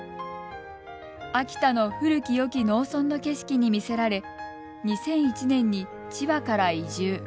秋田の古きよき農村の景色に魅せられ２００１年に千葉から移住。